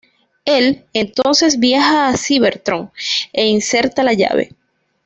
Él entonces viaja a Cybertron, e inserta la Llave.